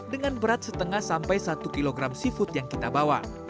dengan berat setengah sampai satu kilogram seafood yang kita bawa